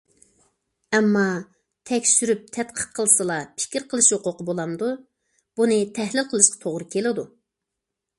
ئەمما تەكشۈرۈپ تەتقىق قىلسىلا پىكىر قىلىش ھوقۇقى بولامدۇ؟ بۇنى تەھلىل قىلىشقا توغرا كېلىدۇ.